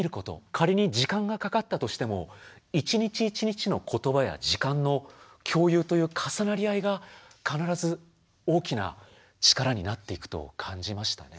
仮に時間がかかったとしても一日一日の言葉や時間の共有という重なり合いが必ず大きな力になっていくと感じましたね。